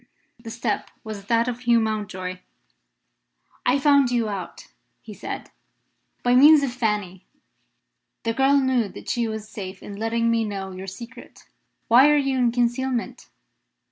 The step was that of Hugh Mountjoy. "I found you out," he said, "by means of Fanny. The girl knew that she was safe in letting me know your secret. Why are you in concealment?"